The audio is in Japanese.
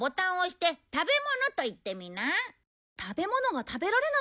食べ物。